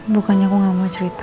bukannya aku gak mau cerita